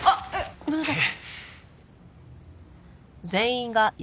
ごめんなさい。